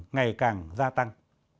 ngày càng gia tăng